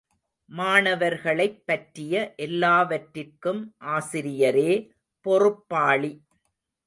மாணவர்களைப்பற்றிய எல்லாவற்றிற்கும் ஆசிரியரே பொறுப்பாளி.